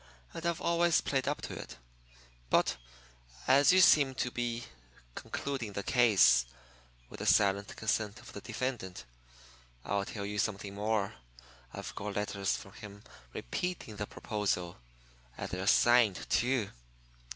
And I've always played up to it. But as you seem to be conducting the case with the silent consent of the defendant I'll tell you something more. I've got letters from him repeating the proposal. And they're signed, too."